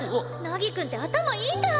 凪くんって頭いいんだ！